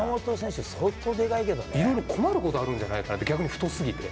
いろいろ困ることあるんじゃない、逆に太すぎて。